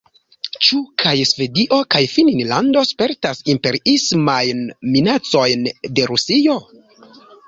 Ĉu kaj Svedio kaj Finnlando spertas imperiismajn minacojn de Rusio?